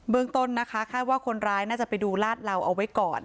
เมืองต้นนะคะคาดว่าคนร้ายน่าจะไปดูลาดเหลาเอาไว้ก่อน